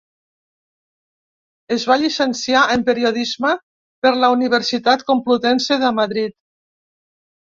Es va llicenciar en periodisme per la Universitat Complutense de Madrid.